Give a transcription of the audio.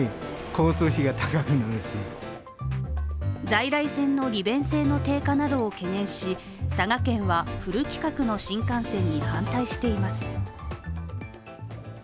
在来線の利便性の低下などを懸念し佐賀県はフル規格の新幹線に反対しています。